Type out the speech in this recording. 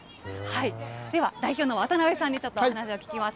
では、代表の渡辺さんにちょっとお話を聞きます。